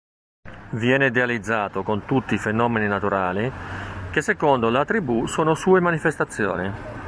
Viene idealizzato con tutti i fenomeni naturali, che secondo la tribù sono sue manifestazioni.